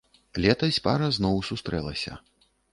Летась пара зноў сустрэлася.